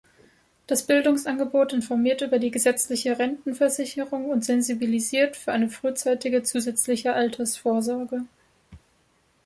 Das Bildungsangebot informiert über die gesetzliche Rentenversicherung und sensibilisiert für eine frühzeitige zusätzliche Altersvorsorge.